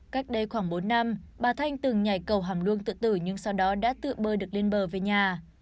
cách đây khoảng bốn năm bà thanh từng nhảy cầu hàm luông tự tử nhưng sau đó đã tự bơi được lên bờ về nhà